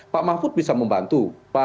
pak mahfud bisa membantu